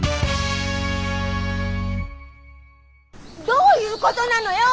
どういうことなのよ！